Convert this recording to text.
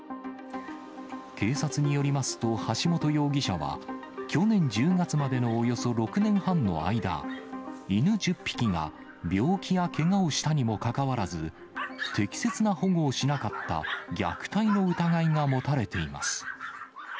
警察によりますと、橋本容疑者は去年１０月までのおよそ６年半の間、犬１０匹が病気やけがをしたにもかかわらず、適切な保護をしなかった、虐待の疑いが持たれています。